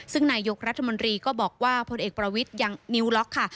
ซึ่งนายยกรัฐมนตรีก็บอกว่าพลเอกประวิทย์ยังนิ้วล็อกค่ะ